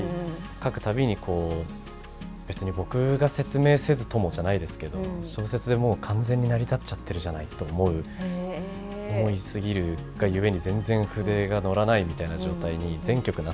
書くたびにこう別に僕が説明せずともじゃないですけど小説でもう完全に成り立っちゃってるじゃないと思う思いすぎるがゆえに全然筆が乗らないみたいな状態に全曲なっているので。